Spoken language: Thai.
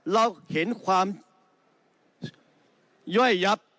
เราเห็นความย่อยยับ